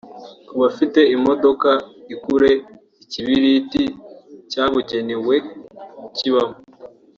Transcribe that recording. Ku bafite imodoka ukure ikibiriti cyabugenewe kibamo